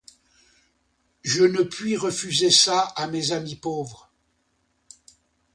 Je ne puis refuser ça à mes amis pauvres.